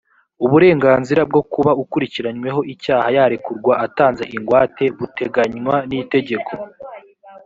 uburenganzira bwo kuba ukurikiranyweho icyaha yarekurwa atanze ingwate buteganywa n itegeko